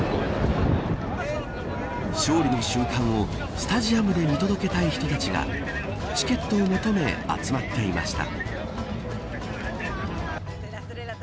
勝利の瞬間をスタジアムで見届けたい人たちがチケットを求め集まっていました。